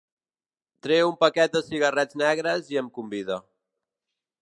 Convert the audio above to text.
Treu un paquet de cigarrets negres i em convida.